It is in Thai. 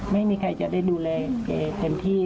ไม่มีใครจะได้ดูแลแกเต็มที่